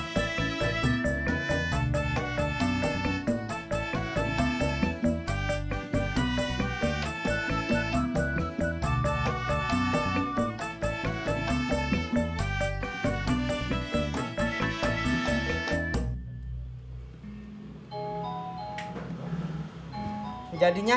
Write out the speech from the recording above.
kita buka australia